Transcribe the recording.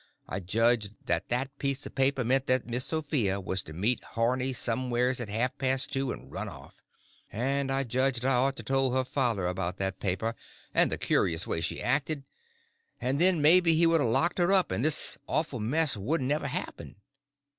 I judged that that piece of paper meant that Miss Sophia was to meet Harney somewheres at half past two and run off; and I judged I ought to told her father about that paper and the curious way she acted, and then maybe he would a locked her up, and this awful mess wouldn't ever happened.